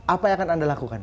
apa yang akan anda lakukan